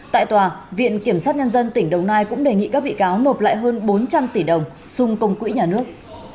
tại tòa viện kiểm sát nhân dân tỉnh đồng nai cũng đề nghị các bị cáo nộp lại hơn bốn trăm linh tỷ đồng xung công quỹ nhà nước